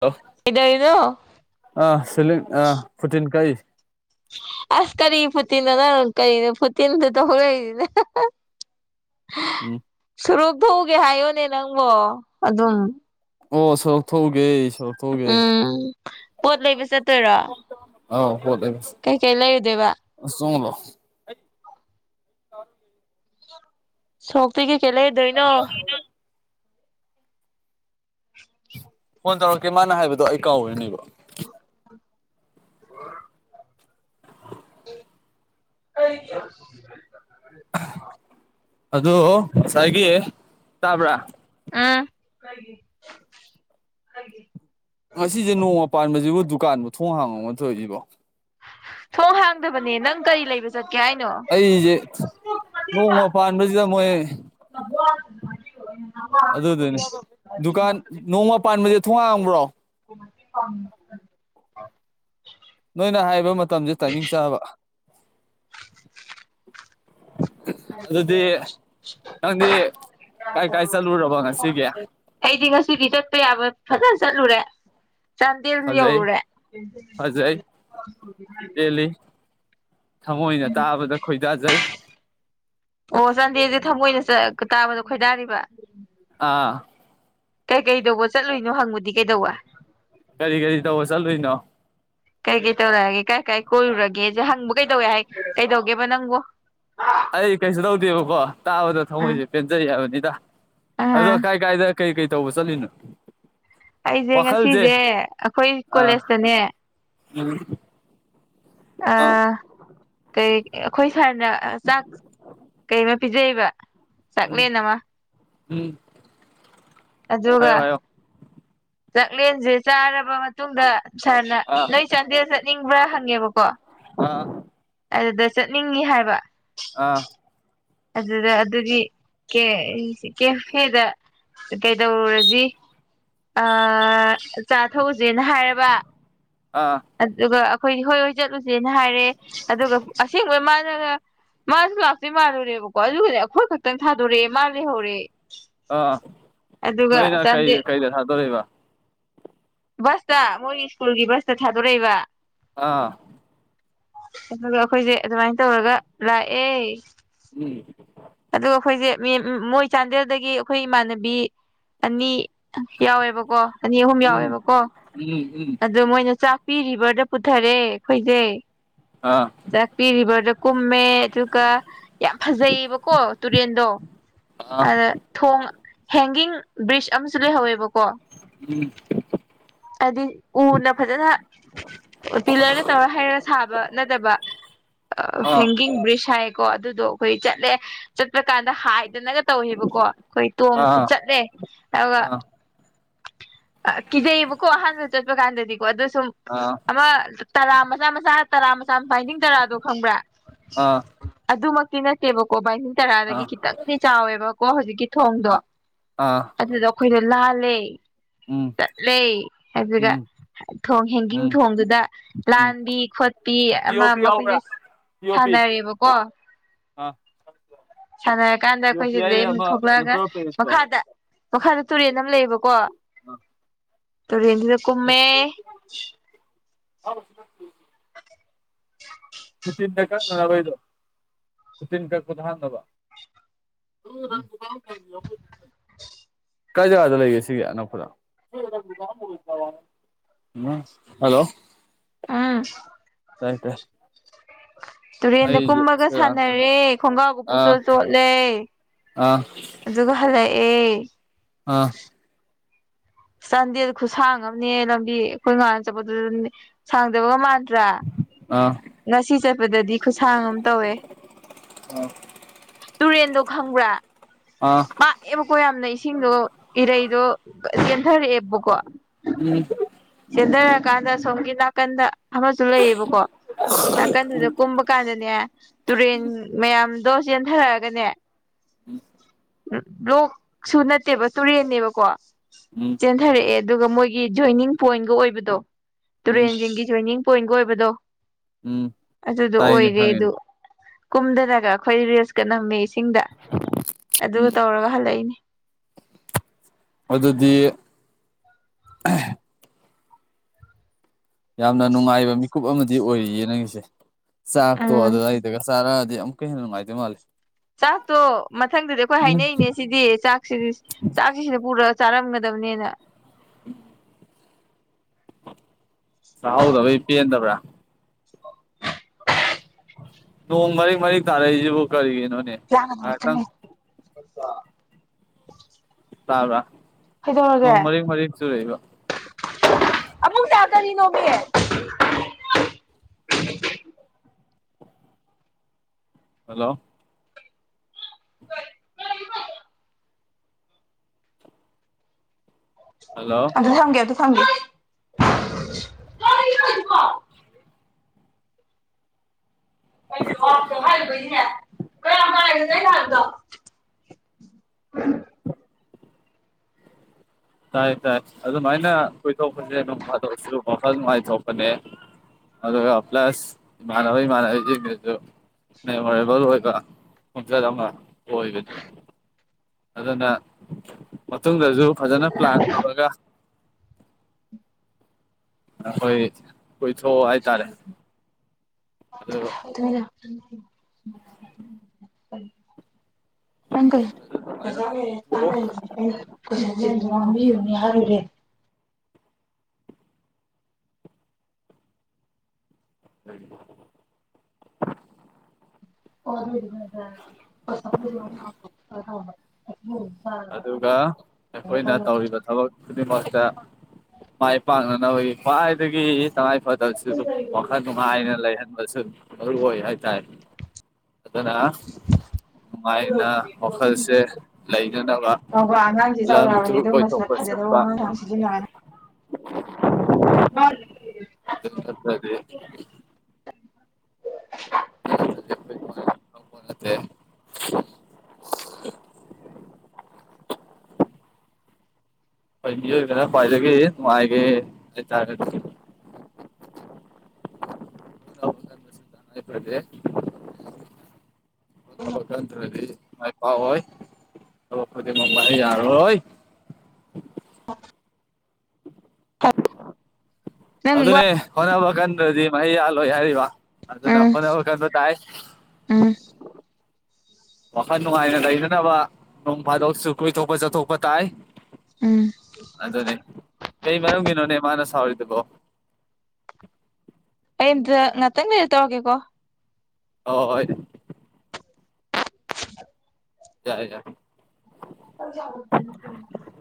ꯂꯣ ꯀꯩꯗꯧꯔꯤꯅꯣ ꯑꯥ ꯁꯤꯂꯤꯡ ꯑꯥ ꯐꯨꯇꯤꯟ ꯀꯛꯏ ꯑꯁ ꯀꯔꯤ ꯐꯨꯇꯤꯟꯅꯣ ꯅꯪꯅ ꯀꯩꯅꯣ ꯐꯨꯇꯤꯟꯗ ꯊꯧ ꯂꯩꯔꯤꯁꯤꯅ ꯍꯥ ꯍꯥ ꯍꯥ ꯎꯝ ꯁꯨꯔꯨꯛ ꯊꯣꯛꯎꯒꯦ ꯍꯥꯏꯌꯣꯅꯦ ꯅꯪꯕꯣ ꯑꯗꯨꯝ ꯑꯣ ꯁꯣꯔꯣꯛ ꯊꯣꯛꯎꯒꯦ ꯁꯣ ꯎꯝ ꯄꯣꯠ ꯂꯩꯕ ꯆꯠꯇꯣꯏꯔꯣ ꯑꯥꯎ ꯄꯣꯠ ꯂꯩꯕ ꯀꯩꯀꯩ ꯂꯩꯔꯨꯗꯨꯏꯕ ꯑꯥ ꯆꯣꯡꯑꯣꯂꯥꯎ [unintelligible] ꯁꯣꯛꯇꯒꯤ ꯀꯩ ꯀꯩ ꯂꯩꯔꯨꯗꯣꯏ [unintelligible] ꯐꯣꯟ ꯇꯧꯔꯛꯀꯦ ꯃꯥꯅ ꯍꯥꯏꯕꯗꯣ ꯑꯩ ꯀꯥꯎꯕꯩꯅꯦꯕ [unintelligible] [unintelligible] ꯑꯗꯨ ꯉꯁꯥꯏꯒꯤ ꯇꯥꯕ꯭ꯔꯥ ꯑꯥ ꯉꯁꯤꯁꯦ ꯅꯣꯡꯃ ꯄꯥꯟꯕꯖꯤꯕꯨ ꯗꯨꯀꯥꯟꯕꯨ ꯊꯣꯡ ꯍꯥꯡꯉꯝ ꯊꯧꯔꯤꯁꯤꯕꯣ ꯊꯣꯡ ꯍꯥꯡꯗꯕꯅꯦ ꯅꯪ ꯀꯔꯤ ꯂꯩꯕ ꯆꯠꯀꯦ ꯍꯥꯏꯅꯣ ꯑꯩꯁꯦ ꯅꯣꯡꯃ ꯄꯥꯟꯕꯁꯤꯗ ꯃꯣꯏ [unintelligible] ꯀꯥꯟ ꯅꯣꯡꯃ ꯄꯥꯟꯕꯁꯦ ꯊꯣꯡ ꯍꯥꯡꯕ꯭ꯔꯣ [unintelligible] ꯅꯣꯏꯅ ꯍꯥꯏꯕ ꯃꯇꯝꯁꯦ ꯇꯥꯏꯃꯤꯡ ꯆꯥꯕ [unintelligible] ꯑꯗꯨꯗꯤ ꯅꯪꯗꯤ ꯀꯥꯏ ꯀꯥꯏ ꯆꯠꯂꯨꯔꯕ ꯉꯁꯤꯒꯤ ꯑꯩꯗꯤ ꯉꯁꯤꯗꯤ ꯆꯠꯄ ꯌꯥꯕ ꯐꯖꯅ ꯆꯠꯂꯨꯔꯦ ꯆꯥꯟꯗꯦꯜ ꯐꯖꯩ ꯌꯧꯔꯨꯔꯦ ꯄꯦꯜꯂꯤ ꯊꯃꯣꯏꯅ ꯇꯥꯕꯗ ꯈꯣꯏꯗꯥꯖꯩ ꯑꯣ ꯆꯥꯟꯗꯦꯁꯦ ꯊꯃꯣꯏꯅ ꯆ ꯇꯥꯕꯗ ꯈꯣꯏꯗꯥꯔꯤꯕ ꯑꯥ ꯀꯩ ꯀꯩꯗꯧꯕ ꯆꯠꯂꯨꯏꯅꯣ ꯍꯪꯕꯗꯤ ꯀꯩꯗꯧꯕ ꯀꯔꯤ ꯀꯔꯤ ꯇꯧꯕ ꯆꯠꯂꯨꯏꯅꯣ ꯀꯩ ꯀꯩ ꯇꯧꯔꯛꯑꯒꯦ ꯀꯥꯏ ꯀꯥꯏ ꯀꯣꯏꯔꯨꯔꯒꯦꯁꯦ ꯍꯪꯕ ꯀꯩꯗꯧꯋꯦ ꯍꯥꯏ ꯀꯩꯗꯧꯒꯦꯕ ꯅꯪꯕꯨ ꯑꯩ ꯀꯩꯁꯨ ꯇꯧꯗꯦꯕꯀꯣ ꯇꯥꯕꯗ ꯎꯝ ꯊꯃꯣꯏꯁꯦ ꯄꯦꯟꯖꯩ ꯍꯥꯏꯕꯅꯤꯗ ꯑꯗꯣ ꯑꯥ ꯀꯥꯏ ꯀꯥꯏꯗ ꯀꯩ ꯀꯩ ꯇꯧꯕ ꯆꯠꯂꯤꯅꯣ ꯑꯩꯖꯦ ꯋꯥꯈꯜꯁꯦ ꯉꯁꯤꯖꯦ ꯑꯈꯣꯏ ꯑꯥ ꯀꯣꯂꯦꯖꯇꯅꯦ ꯎꯝ ꯑꯥ ꯀꯩ ꯑꯩꯈꯣꯏ ꯁꯥꯔꯅ ꯆꯥꯛ ꯀꯩꯃ ꯄꯤꯖꯩꯕ ꯆꯥꯛꯂꯦꯟ ꯑꯃ [unintelligible] ꯑꯗꯨꯒ ꯍꯥꯏꯌꯣ ꯍꯥꯏꯌꯣ ꯆꯥꯛꯂꯦꯟꯁꯦ ꯆꯥꯔꯕ ꯃꯇꯨꯡꯗ ꯁꯥꯔꯅ ꯑꯥ ꯅꯣꯏ ꯆꯥꯟꯗꯦꯜ ꯆꯠꯅꯤꯡꯕ꯭ꯔꯥ ꯍꯪꯉꯦꯕꯀꯣ ꯑ ꯑꯗꯨꯗ ꯆꯠꯅꯤꯡꯉꯤ ꯍꯥꯏꯕ ꯑꯥ ꯑꯗꯨꯗ ꯑꯗꯨꯒꯤ ꯀꯦ-ꯀꯦꯐꯦꯗ ꯀꯩꯗꯧꯔꯨꯔꯁꯤ ꯑꯥ ꯆꯥ ꯊꯛꯎꯁꯦꯅ ꯍꯥꯏꯔꯕ ꯑꯥ ꯑꯗꯨꯒ ꯑꯩꯈꯣꯏꯗꯤ ꯍꯣꯏ ꯍꯣꯏ ꯆꯠꯂꯨꯁꯦꯅ ꯍꯥꯏꯔꯦ ꯑꯗꯨꯒ ꯑꯁꯦꯡꯕꯩ ꯃꯥꯅꯒ ꯃꯥꯁꯨ ꯂꯥꯛꯇꯣꯏ ꯃꯥꯜꯂꯨꯔꯦꯕꯀꯣ ꯑꯗꯨꯒꯅꯦ ꯑꯩꯈꯣꯏ ꯈꯛꯇꯪ ꯊꯥꯗꯣꯔꯑꯦ ꯃꯥꯅ ꯂꯩꯍꯧꯔꯦ ꯑꯥ ꯑꯗꯨꯒ ꯅꯣꯏꯅ ꯀꯩ ꯆꯥꯟꯗꯦꯜ ꯀꯩꯗ ꯊꯥꯗꯣꯔꯛꯏꯕ ꯕꯁꯇ ꯃꯣꯏꯒꯤ ꯁ꯭ꯀꯨꯜꯒꯤ ꯕꯁꯇ ꯊꯥꯗꯣꯔꯛꯏꯕ ꯑꯥ ꯑꯗꯨꯒ ꯑꯩꯈꯣꯏꯁꯦ ꯑꯗꯨꯃꯥꯏꯟ ꯇꯧꯔꯒ ꯂꯥꯛꯑꯦ ꯎꯝ ꯑꯗꯨꯒ ꯑꯩꯈꯣꯏꯁꯦ ꯃꯤꯝ ꯃꯣꯏ ꯆꯥꯟꯗꯦꯜꯗꯒꯤ ꯑꯩꯈꯣꯏ ꯏꯃꯥꯟꯅꯕꯤ ꯑꯅꯤ ꯌꯥꯎꯋꯦꯕꯀꯣ ꯑꯅꯤ ꯑꯍꯨꯝ ꯎꯝ ꯌꯥꯎꯋꯦꯕꯀꯣ ꯎꯝ ꯑꯗꯣ ꯃꯣꯏꯅ ꯆꯥꯛꯄꯤꯔꯤꯕꯔꯗ ꯄꯨꯊꯔꯦ ꯑꯩꯈꯣꯏꯖꯦ ꯑꯥ ꯆꯥꯛꯄꯤꯔꯤꯕ꯭ꯔꯗ ꯀꯨꯝꯃꯦ ꯑꯗꯨꯒ ꯌꯥꯝ ꯐꯖꯩꯌꯦꯕ ꯀꯣ ꯇꯨꯔꯦꯟꯗꯣ ꯑꯥ ꯑꯗ ꯊꯣꯡ ꯍꯦꯡꯒꯤꯡ ꯕ꯭ꯔꯤꯖ ꯑꯃꯁꯨ ꯂꯩꯍꯧꯋꯦꯕꯀꯣ [unintelligible] ꯑꯗꯤ ꯎꯅ ꯐꯖꯅ ꯑꯣ ꯄꯤꯂꯔꯗ ꯇꯧꯔ ꯍꯩꯔ ꯁꯥꯕ ꯅꯠꯇꯕ ꯑꯥ ꯍꯦꯡꯒꯤꯡ ꯕ꯭ꯔꯤꯖ ꯍꯥꯏꯌꯦꯀꯣ ꯑꯗꯨꯗꯣ ꯈꯣꯏ ꯆꯠꯂꯦ ꯆꯠꯄ ꯀꯥꯟꯗ ꯍꯥꯏꯗꯅꯒ ꯇꯧꯋꯦꯕꯀꯣ ꯈꯣꯏ ꯇꯣꯡ ꯑꯥ ꯆꯠꯂꯦ ꯑꯗꯨꯒ ꯑꯥ ꯑꯥ ꯀꯤꯖꯩꯌꯦꯕꯀꯣ ꯑꯍꯥꯟꯕ ꯆꯠꯄ ꯀꯥꯟꯗꯗꯤꯀꯣ ꯑꯗꯨ ꯁꯨꯝ ꯑꯥ ꯑꯃꯥ ꯇꯔꯥ ꯃꯆꯥ ꯃꯆꯥ ꯇꯔꯥ ꯃꯆꯥ ꯄꯥꯏꯟꯗꯤꯡ ꯇꯔꯥꯗꯣ ꯈꯪꯕ꯭ꯔꯥ ꯑꯥ ꯑꯗꯨꯃꯛꯇꯤ ꯅꯠꯇꯦꯕꯀꯣ ꯕꯥꯏꯅꯤꯡ ꯑꯥ ꯇꯔꯥꯗꯒꯤ ꯈꯤꯇꯪꯗꯤ ꯆꯥꯎꯋꯦꯕꯀꯣ ꯍꯧꯖꯤꯛꯀꯤ ꯊꯣꯡꯗꯣ ꯑꯥ ꯑꯥ ꯑꯗꯨꯗ ꯑꯈꯣꯏꯅ ꯂꯥꯜꯂꯦ ꯎꯝ ꯆꯠꯂꯦ ꯑꯗꯨꯒ ꯎꯝ ꯊꯣꯡ ꯍꯦꯡꯒꯤꯡ ꯎꯝ ꯊꯣꯡꯗꯨꯗ ꯎꯝ ꯂꯥꯟꯕꯤ ꯈꯣꯠꯄꯤ ꯄꯤ ꯑꯃꯥ ꯑꯣ ꯄꯤ ꯑꯃꯥ ꯌꯥꯎꯕ꯭ꯔꯥ ꯃꯈꯣꯏꯁ ꯄꯤ ꯑꯣ ꯄꯤ ꯁꯥꯟꯅꯔꯦꯕꯀꯣ ꯑꯥ ꯁꯥꯟꯅꯔꯀꯥꯟꯗ ꯌꯨ ꯑꯩꯈꯣꯏ ꯄꯤ ꯑꯥꯏ ꯁꯤꯗꯩ ꯑꯃꯨꯛ ꯑꯃ ꯊꯣꯛꯂꯛꯑꯒ ꯄ꯭ꯂꯁꯇꯔ ꯑꯣꯐ ꯄꯦꯔꯤꯁꯇꯣ ꯃꯈꯥ ꯗ ꯃꯈꯥꯗ ꯇꯨꯔꯦꯟ ꯑꯝ ꯂꯩꯌꯦꯕꯀꯣ ꯇꯨꯔꯦꯟꯖꯤꯗ ꯀꯨꯝꯃꯦ [inaudible] [inaudible] [unintelligible] [inaudible] ꯀꯥꯏ ꯖꯒꯥꯗ ꯂꯩꯒꯦ ꯁꯤꯒꯤ ꯑꯅꯛꯄꯗ ꯎꯝ ꯍꯜꯂꯣ ꯑꯥ ꯇꯥꯏ ꯇꯥꯏ ꯇꯨꯔꯦꯟꯗ ꯑꯩꯁꯦ ꯀꯨꯝꯃꯒ ꯁꯤꯔ ꯑꯝꯇꯗ ꯁꯥꯟꯅꯔꯦ ꯈꯣꯡꯒꯥꯎꯒ ꯑꯥ ꯄꯨꯡꯆꯣꯠ ꯆꯣꯠꯂꯦ ꯑꯥ ꯑꯗꯨꯒ ꯍꯜꯂꯛꯑꯦ ꯑꯥ ꯆꯥꯟꯗꯦꯜ ꯈꯨꯁꯥꯡ ꯑꯝꯅꯦꯍꯦ ꯂꯝꯕꯤ ꯑꯈꯣꯏ ꯉꯥꯥꯟ ꯆꯠꯄꯗꯨꯗꯅꯦ ꯁꯥꯡꯗꯕꯒ ꯃꯥꯟꯗ꯭ꯔꯥ ꯑꯥ ꯉꯁꯤ ꯆꯠꯄꯗꯗꯤ ꯈꯨꯁꯥꯡ ꯑꯝ ꯇꯧꯋꯦ ꯇꯨꯔꯦꯟꯗꯣ ꯈꯪꯕ꯭ꯔꯥ ꯑꯥ ꯄꯥ ꯑꯦꯝꯕꯀꯣ ꯌꯥꯝꯅ ꯏꯁꯤꯡꯗꯣ ꯏꯔꯩꯗꯣ ꯆꯦꯟꯊꯔꯛꯑꯦꯕꯀꯣ ꯎꯝ ꯆꯦꯟꯗꯔꯀꯥꯟꯗ ꯁꯣꯝꯒꯤ ꯅꯥꯀꯟꯗ ꯑꯃꯁꯨ ꯂꯩꯌꯦꯕꯀꯣ ꯅꯥꯀꯟꯗꯨꯗ ꯀꯨꯝꯕ ꯀꯥꯟꯗꯅꯦ ꯇꯨꯔꯦꯟ ꯃꯌꯥꯝꯗꯣ ꯆꯦꯟꯊꯔꯛꯑꯒꯅꯦ ꯎꯝ ꯂꯣꯛꯁꯨ ꯅꯠꯇꯦꯕ ꯇꯨꯔꯦꯟꯅꯦꯕꯀꯣ ꯎꯝ ꯆꯦꯟꯊꯔꯛꯑꯦ ꯑꯗꯨꯒ ꯃꯣꯏꯒꯤ ꯖꯣꯏꯅꯤꯡ ꯄꯣꯏꯟꯒ ꯑꯣꯏꯕꯗꯣ ꯎꯝ ꯇꯨꯔꯦꯟꯁꯤꯡꯒꯤ ꯖꯣꯢꯟꯅꯤꯡ ꯄꯣꯏꯟꯒ ꯑꯣꯏꯕꯗꯣ ꯎꯝ ꯑꯗꯨꯗꯣ ꯇꯥꯏꯅꯦ ꯑꯣꯏꯔꯦ ꯑꯗꯨ ꯈꯪꯉꯤꯅꯦ ꯀꯨꯝꯗꯅꯒ ꯑꯩꯈꯣꯏꯗꯤ ꯔꯤꯜꯁꯀ ꯅꯝꯃꯦ ꯏꯁꯤꯡꯗ ꯑꯗꯨꯒ ꯎꯝ ꯇꯧꯔꯒ ꯍꯜꯂꯛꯏꯅꯤ ꯑꯗꯨꯗꯤ ꯌꯥꯝꯅ ꯅꯨꯡꯉꯥꯏꯕ ꯃꯤꯀꯨꯞ ꯑꯃꯗꯤ ꯑꯣꯏꯔꯤꯌꯦ ꯅꯪꯒꯤꯁꯦ ꯆꯥꯛꯇꯣ ꯎꯝ ꯑꯗꯨꯗ ꯑꯩꯗꯒ ꯆꯥꯔꯛꯑꯗꯤ ꯑꯝ [unintelligible] ꯍꯦꯟꯅ ꯅꯨꯡꯉꯥꯏꯗꯣꯏ ꯃꯥꯜꯂꯦ ꯆꯥꯛꯇꯣ ꯃꯊꯪꯗꯗꯤ ꯑꯩꯈꯣꯏ ꯎꯝ ꯍꯥꯏꯅꯩꯅꯦ ꯁꯤꯗꯤ ꯆꯥꯛ ꯁꯤꯗꯤ ꯆꯥꯛꯁꯤ ꯁꯤꯗ ꯄꯨꯔꯛꯑ ꯆꯥꯔꯝꯒꯗꯕꯅꯦꯅ [inaudible] ꯆꯥꯍꯧꯗꯕꯩ ꯄꯦꯟꯗꯕ꯭ꯔꯥ ꯅꯣꯡ ꯃꯔꯤꯛ ꯃꯔꯤꯛ ꯇꯥꯔꯛꯏꯖꯤꯕꯨ ꯀꯔꯤꯒꯤꯅꯣꯅꯦ ꯂꯥꯡꯒꯅꯣ ꯑꯝꯇꯅꯦ ꯉꯥꯏꯍꯥꯛꯇꯪ [unintelligible] ꯇꯥꯕ꯭ꯔꯥ ꯀꯩꯗꯧꯔꯒꯦ ꯅꯣꯡ ꯃꯔꯤꯛ ꯃꯔꯤꯛ ꯆꯨꯔꯛꯏꯕ ꯑꯕꯨꯡꯆꯥ ꯀꯔꯤꯅꯣꯃꯦ ꯍꯜꯂꯣ ꯍꯜꯂꯣ ꯑꯝꯇꯥ ꯊꯝꯒꯦ ꯑꯝꯇꯥ ꯊꯝꯒꯦ [unintelligible] [unintelligible] ꯇꯥꯏ ꯇꯥꯏ ꯑꯗꯨꯃꯥꯏꯅ ꯀꯣꯏꯊꯣꯛꯄꯁꯦ ꯅꯣꯡꯐꯥꯗꯣꯛꯁꯨ ꯋꯥꯈꯜ ꯅꯨꯡꯉꯥꯏꯊꯣꯛꯄꯅꯦ ꯑꯗꯨꯒ ꯄ꯭ꯂꯁ ꯏꯃꯥꯟꯅꯕ ꯏꯃꯥꯟꯅꯕꯤ ꯖꯤꯡꯗꯨꯖꯨ ꯃꯦꯃꯣꯔꯦꯕꯜ ꯑꯣꯏꯕ ꯈꯣꯡꯆꯠ ꯑꯃ ꯑꯣꯏꯕꯅꯦ ꯑꯗꯨꯅ ꯃꯇꯨꯡꯗꯖꯨ ꯐꯥꯖꯅ ꯄ꯭ꯂꯥꯟ ꯇꯧꯔꯒ ꯑꯩꯈꯣꯏ ꯀꯣꯏꯊꯣꯛꯑꯣ ꯍꯥꯏꯇꯥꯔꯦ ꯑꯗꯨ [unintelligible] ꯑꯗꯨꯃꯥꯏꯅ [unintelligible] ꯀꯣꯏꯊꯣꯛꯑꯣ ꯍꯥꯏꯔꯨꯔꯦ [unintelligible] [unintelligible] ꯑꯗꯨꯒ ꯑꯩꯈꯣꯏꯅ ꯇꯧꯔꯤꯕ ꯊꯕꯛ ꯈꯨꯗꯤꯡꯃꯛꯇ ꯃꯥꯏ ꯄꯥꯛꯅꯅꯕꯒꯤ ꯈ꯭ꯋꯥꯏꯗꯒꯤ ꯇꯉꯥꯏꯐ ꯗꯕꯁꯨ ꯋꯥꯈꯜ ꯅꯨꯡꯉꯥꯏꯅ ꯂꯩꯍꯟꯕꯁꯨ ꯃꯔꯨ ꯑꯣꯏ ꯍꯥꯏꯇꯥꯔꯦ ꯑꯗꯨꯅ ꯅꯨꯡꯉꯥꯏꯅ ꯋꯥꯈꯜꯁꯦ ꯂꯩꯅꯅꯕ ꯆꯥꯎꯕ ꯑꯉꯥꯡꯖꯦ ꯂꯝ ꯆꯥꯎꯔꯛꯑꯕꯅꯦ ꯇꯨꯔ ꯑꯗꯨ ꯃꯁꯛ ꯀꯣꯏꯊꯣꯛꯄ ꯐꯥꯖꯗꯕ ꯆꯠꯄ ꯋꯥꯉꯥꯡꯁꯥꯉꯥꯡ ꯁꯤꯖꯤꯟꯅꯅꯨ [unintelligible] ꯑꯗꯨ ꯅꯠꯇ꯭ꯔꯥꯗꯤ [unintelligible] ꯈꯪꯕ ꯅꯠꯇꯦ [unintelligible] [inaudible] ꯍꯣꯏ ꯃꯤꯑꯣꯏꯕꯅ ꯈ꯭ꯋꯥꯏꯗꯒꯤ ꯅꯨꯡꯉꯥꯏꯒꯦ ꯍꯥꯏꯇꯥꯔꯗꯤ ꯍꯣꯠꯅꯕ ꯀꯟꯕꯁꯤ ꯇꯉꯥꯏꯐꯥꯗꯦ ꯍꯣꯠꯅꯕ ꯀꯟꯗ꯭ꯔꯗꯤ ꯃꯥꯏ ꯄꯥꯛꯑꯣꯏ ꯊꯕꯛ ꯈꯨꯗꯤꯡꯃꯛ ꯃꯍꯩ ꯌꯥꯜꯂꯣꯏ ꯅꯪ ꯋꯥ ꯑꯗꯨꯅꯦ ꯍꯣꯠꯅꯕ ꯀꯟꯗ꯭ꯔꯗꯤ ꯃꯍꯩ ꯌꯥꯜꯂꯣꯏ ꯍꯥꯏꯔꯤꯕ ꯑꯗꯨꯅ ꯎꯝ ꯍꯣꯠꯅꯕ ꯀꯟꯕ ꯇꯥꯏ ꯎꯝ ꯋꯥꯈꯜ ꯅꯨꯡꯉꯥꯏꯅ ꯂꯩꯅꯅꯕ ꯅꯣꯡ ꯐꯥꯗꯣꯛꯁꯨ ꯀꯣꯏꯊꯣꯛꯄ ꯆꯠꯊꯣꯛꯄ ꯇꯥꯏ ꯎꯝ ꯑꯗꯨꯅꯦ ꯀꯩ ꯃꯔꯝꯒꯤꯅꯣꯅꯦ ꯃꯥꯅ ꯁꯥꯎꯔꯤꯗꯨꯕꯣ ꯑꯩ ꯑꯝꯇ ꯉꯥꯇꯪ ꯂꯩꯔꯒ ꯇꯧꯔꯛꯀꯦꯀꯣ ꯑꯣ ꯍꯣꯏ ꯌꯥꯏ ꯌꯥꯏ [inaudible]